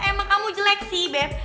emang kamu jelek sih bep